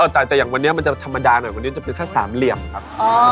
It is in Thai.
แต่อย่างวันนี้มันจะธรรมดาหน่อยวันนี้จะเป็นแค่สามเหลี่ยมครับ